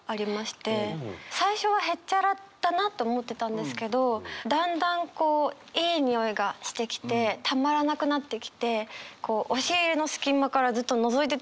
最初はへっちゃらだなと思ってたんですけどだんだんこういい匂いがしてきてたまらなくなってきてこう押し入れの隙間からずっとのぞいてたんですけど食卓を。